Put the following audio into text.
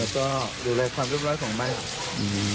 และก็ดูแลความรุนร้อยของมัน